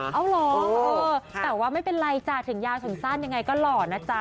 เอาเหรอเออแต่ว่าไม่เป็นไรจ้ะถึงยาวถึงสั้นยังไงก็หล่อนะจ๊ะ